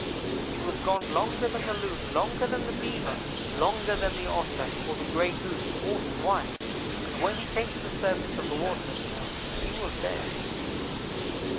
"He was gone longer than the Loon, longer than the Beaver, longer than the Otter or the Gray Goose or his wife, but when he came to the surface of the water he was dead.